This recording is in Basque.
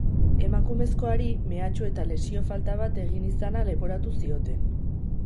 Emakumezkoari mehatxu eta lesio falta bat egin izana leporatu zioten.